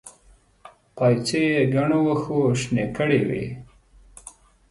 پايڅې يې ګڼو وښو شنې کړې وې.